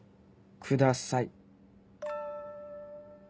「ください」。